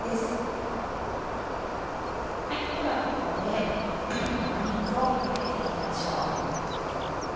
ではここでラム肉を焼いていきましょう。